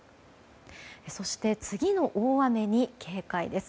そして次の大雨に警戒です。